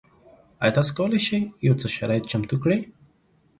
ایا تاسو کولی شئ یو څه شرایط چمتو کړئ؟